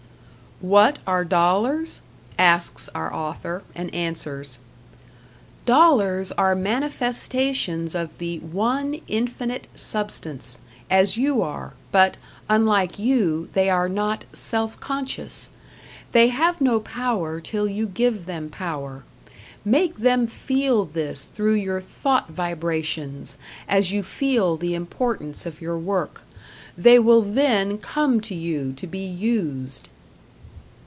"What are Dollars?" asks our author; and answers: Dollars are manifestations of the One Infinite Substance as you are, but, unlike you, they are not Self Conscious. They have no power till you give them power. Make them feel this through your thought vibrations as you feel the importance of your work. They will then come to you to be used.